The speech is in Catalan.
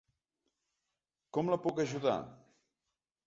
Com la puc ajudar?